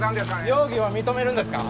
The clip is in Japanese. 容疑を認めるんですか？